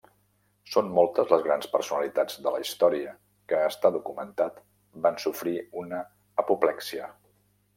Són moltes les grans personalitats de la història que, està documentat, van sofrir una apoplexia.